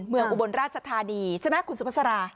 อุบลราชธานีใช่ไหมคุณสุภาษา